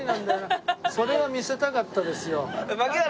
それは見せたかったですよ。